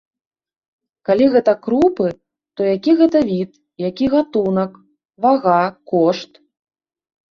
Калі гэта крупы, то які гэта від, які гатунак, вага, кошт.